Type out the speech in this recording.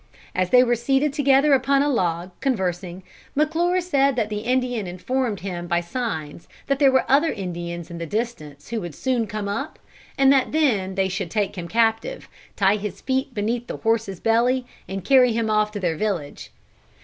As they were seated together upon a log, conversing, McClure said that the Indian informed him by signs that there were other Indians in the distance who would soon come up, and that then they should take him captive, tie his feet beneath the horse's belly and carry him off to their village.